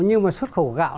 nhưng mà xuất khẩu gạo